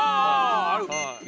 ある。